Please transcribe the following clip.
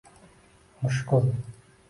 Mushkul